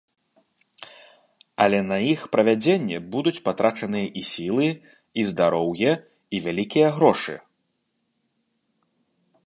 Але на іх правядзенне будуць патрачаныя і сілы, і здароўе, і вялікія грошы.